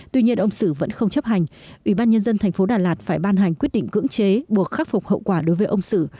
tuy nhiên ông sử vẫn không chấp hành ủy ban nhân dân tp đà lạt phải ban hành quyết định cưỡng chế buộc khắc phục hậu quả đối với ông sử